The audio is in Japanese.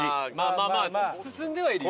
まあまあ進んではいるよ